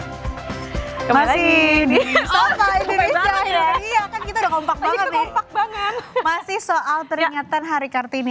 hai kemasin di indonesia ya kan kita kompak banget masih soal pernyataan hari kartini